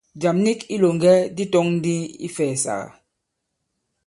Jàm nik i ilòŋgɛ di tɔ̄ŋ ndi ifɛ̀ɛ̀sàgà.